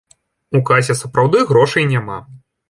У касе сапраўды грошай няма.